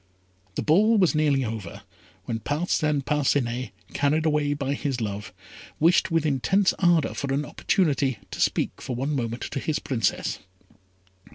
The ball was nearly over, when Parcin Parcinet, carried away by his love, wished with intense ardour for an opportunity to speak for one moment to his Princess.